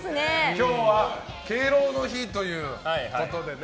今日は敬老の日ということでね。